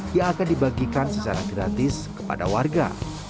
yang akan dibagikan secara gratis kepada warga